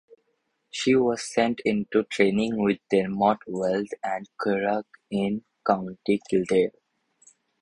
She was sent into training with Dermot Weld at the Curragh in County Kildare.